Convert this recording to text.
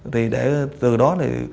thì từ đó